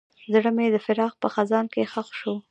زړه مې د فراق په خزان کې ښخ شو.